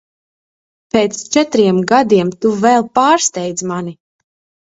Pēc četriem gadiem tu vēl pārsteidz mani.